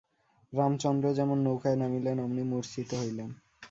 রামচন্দ্র যেমন নৌকায় নামিলেন অমনি মূর্চ্ছিত হইলেন।